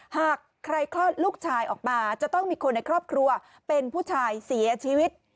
หากใครคลอดลูกชายออกมาจะต้องมีคนในครอบครัวเป็นผู้ชายเสียชีวิต